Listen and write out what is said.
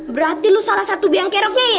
berarti lo salah satu biang keroknya ye